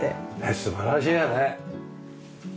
素晴らしいよね。